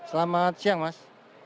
selamat siang mas